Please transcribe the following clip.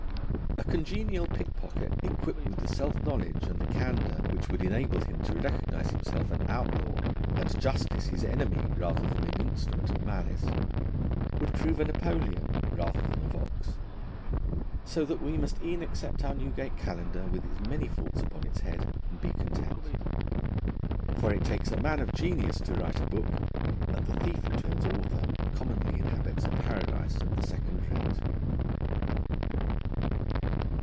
A congenial pickpocket, equipped with the self knowledge and the candour which would enable him to recognise himself an outlaw and justice his enemy rather than an instrument of malice, would prove a Napoleon rather than a Vaux. So that we must e'en accept our Newgate Calendar with its many faults upon its head, and be content. For it takes a man of genius to write a book, and the thief who turns author commonly inhabits a paradise of the second rate.